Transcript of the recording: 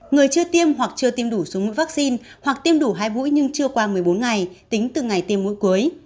người chưa tiêm hoặc chưa tiêm đủ số mũi vaccine hoặc tiêm đủ hai mũi nhưng chưa qua một mươi bốn ngày tính từ ngày tiêm mũi cuối